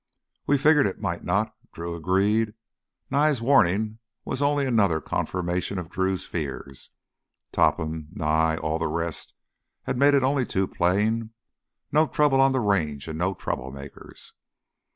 "We figured it might not," Drew agreed. Nye's warning was only another confirmation of Drew's fears. Topham, Nye, all the rest, had made it only too plain: no trouble on the Range and no troublemakers.